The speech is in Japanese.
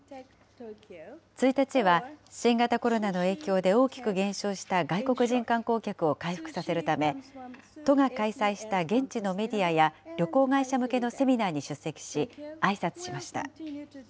１日は、新型コロナの影響で大きく減少した外国人観光客を回復させるため、都が開催した現地のメディアや、旅行会社向けのセミナーに出席し、あいさつしました。